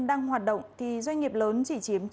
đang hoạt động thì doanh nghiệp lớn chỉ chiếm